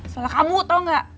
salah kamu tau gak